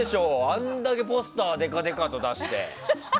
あんだけポスターでかでかと出して。